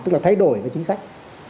tức là thay đổi cái chính sách